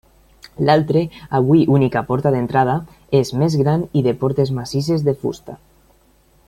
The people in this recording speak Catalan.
L'altre, avui única porta d'entrada, és més gran i de portes massisses de fusta.